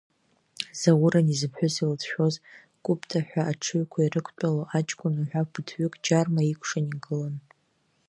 Заур, ани зыԥҳәыс илыцәшәоз, Кәыпта ҳәа аҽыҩқәа ирықәтәало аҷкәын уҳәа ԥыҭҩык Џьарма икәшан игылан.